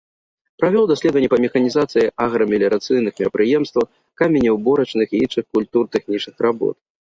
Правёў даследаванні па механізацыі аграмеліярацыйных мерапрыемстваў, каменеўборачных і іншых культуртэхнічных работ.